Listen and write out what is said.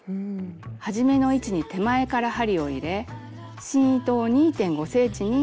はじめの位置に手前から針を入れ芯糸を２．５ｃｍに整えます。